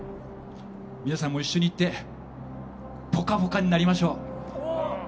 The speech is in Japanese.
皆さんも一緒に行ってポカポカになりましょう。